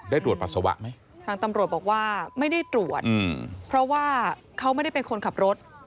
ตรวจปัสสาวะไหมทางตำรวจบอกว่าไม่ได้ตรวจเพราะว่าเขาไม่ได้เป็นคนขับรถ